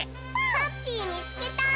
ハッピーみつけた！